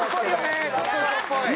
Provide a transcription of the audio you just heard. ちょっと嘘っぽいよね。